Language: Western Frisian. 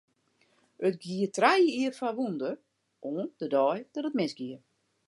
It gie trije jier foar wûnder, oant de dei dat it misgie.